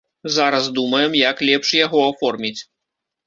Зараз думаем, як лепш яго аформіць.